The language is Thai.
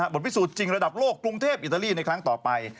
ผลพิสูจนจริงระดับโลกกรุงเทพอิตาลีในครั้งต่อไป